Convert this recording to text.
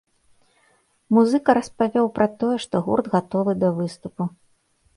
Музыка распавёў пра тое, што гурт гатовы да выступу.